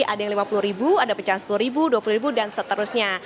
ada yang lima puluh ribu ada pecahan sepuluh ribu dua puluh ribu dan seterusnya